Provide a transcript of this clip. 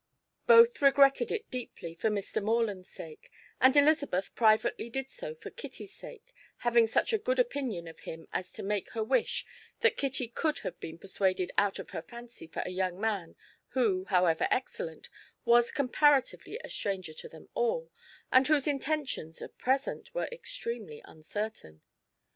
Both regretted it deeply for Mr. Morland's sake, and Elizabeth privately did so for Kitty's sake, having such a good opinion of him as to make her wish that Kitty could have been persuaded out of her fancy for a young man, who, however excellent, was comparatively a stranger to them all, and whose intentions, at present, were extremely uncertain.